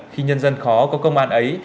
khi nhân dân khó có công an ấy